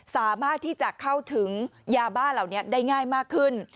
สามารถที่จะเข้าถึงยาบ้าเหล่านี้ได้ง่ายมากขึ้น